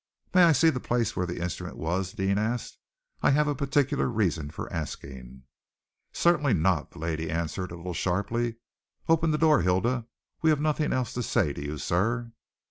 "May I see the place where the instrument was?" Deane asked. "I have a particular reason for asking." "Certainly not!" the lady answered, a little sharply. "Open the door, Hilda. We have nothing else to say to you, sir."